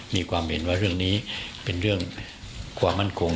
มีความเห็นว่าเรื่องนี้เป็นเรื่องความมั่นคง